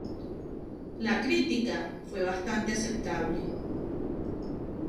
La crítica fue bastante aceptable.